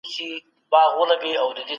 سياست يوازې د ځانګړو کسانو کار نه دی.